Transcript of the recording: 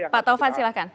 pak taufan silahkan